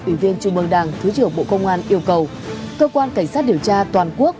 ủy viên trung mương đảng thứ trưởng bộ công an yêu cầu cơ quan cảnh sát điều tra toàn quốc